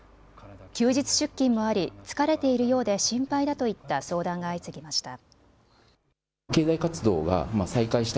休日出勤もあり疲れているようで心配だといった相談が相次ぎました。